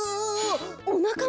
おなかも！？